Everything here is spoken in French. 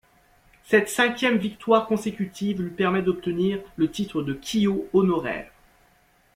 Cette cinquième victoire consécutive lui permet d'obtenir le titre de Kiō honoraire.